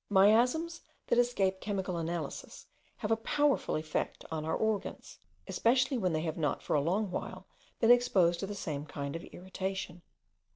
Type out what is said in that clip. Miasms that escape chemical analysis have a powerful effect on our organs, especially when they have not for a long while been exposed to the same kind of irritation.